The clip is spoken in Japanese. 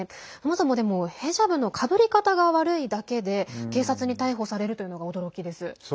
そもそもヘジャブのかぶり方が悪いだけで警察に逮捕されるというのが驚きです。